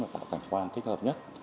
tạo cảnh quan thích hợp nhất